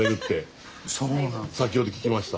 先ほど聞きました。